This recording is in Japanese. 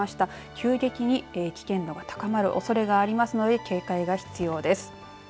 急激に危険度が高まるおそれがありますので警戒が必要です。